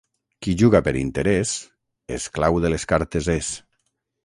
Qui juga per interès, esclau de les cartes és.